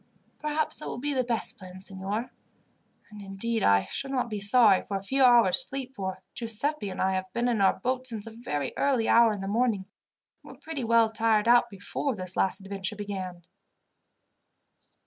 "Perhaps that will be the best plan, signor; and, indeed, I should not be sorry for a few hours' sleep, for Giuseppi and I have been in our boat since a very early hour in the morning, and were pretty well tired out before this last adventure began."